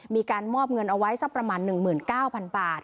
มีการมอบเงินเอาไว้สักประมาณ๑๙๐๐บาท